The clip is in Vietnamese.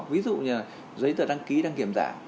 ví dụ như giấy tờ đăng ký đăng kiểm giả